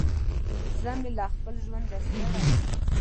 زه مې له خپل ژونده ستړی يم.